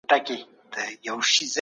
غړي به د بشري حقونو د سرغړونو څېړنه کوي.